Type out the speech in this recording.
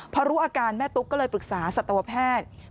พอรู้อาการแม่ตุ๊กก็เลยปรึกษาสัตวแพทย์